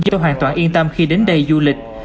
cho tôi hoàn toàn yên tâm khi đến đây du lịch